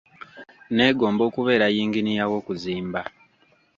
Neegomba okubeera yinginiya w'okuzimba.